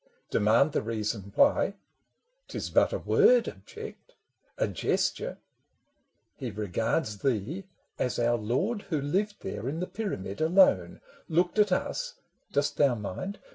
Demand The reason why —" 't is but a word," object —" A gesture "— he regards thee as our lord Who lived there in the pyramid alone, Looked at us (dost thou mind?)